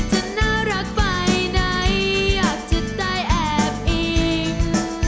จะน่ารักไปไหนอยากจะได้แอบอิง